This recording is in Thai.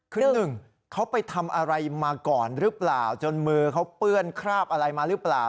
คือหนึ่งเขาไปทำอะไรมาก่อนหรือเปล่าจนมือเขาเปื้อนคราบอะไรมาหรือเปล่า